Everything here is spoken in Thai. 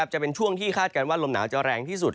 จะเป็นช่วงที่คาดการณ์ว่าลมหนาวจะแรงที่สุด